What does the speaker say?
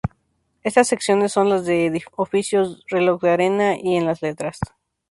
Estas secciones son las de oficios, reloj de arena, y en las letras.